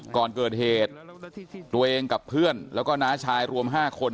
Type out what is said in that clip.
ก่อนเกิดเหตุตัวเองกับเพื่อนแล้วก็น้าชายรวม๕คน